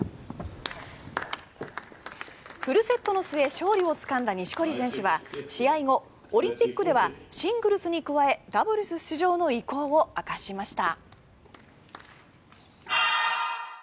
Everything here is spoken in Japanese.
フルセットの末勝利をつかんだ錦織選手は試合後、オリンピックではシングルスに加えダブルス出場の意向を明かしました。